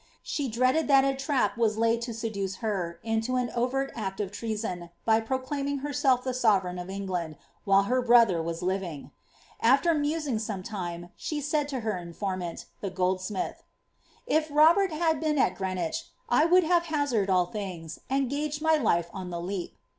She dreaded that a laid to seduce her into an overt act of treason, by proclaiming he sovereign of England, while her brother was living. After some lime, she said to her informant, the goldsmith, ^ If Robert 1 at Greenwich, 1 would have hazarded all things, and gaged my the leap.''